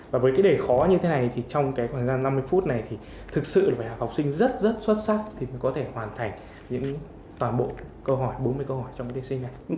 và với cái đề khó như thế này thì trong cái khoảng gian năm mươi phút này thì thực sự là học sinh rất rất xuất sắc thì mới có thể hoàn thành những toàn bộ câu hỏi bốn mươi câu hỏi trong cái thi sinh này